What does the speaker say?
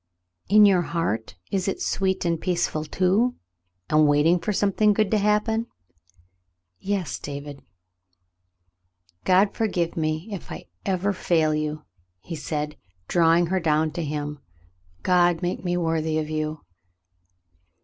"In your heart it is sweet and peaceful, too, and waiting for something good to happen ?" "Yes, David." "God forgive me if ever I fail you," he said, drawing her down to him. "God make me worthy of you."